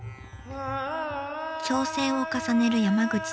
挑戦を重ねる山口先生。